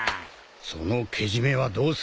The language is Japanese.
そのけじめはどうする？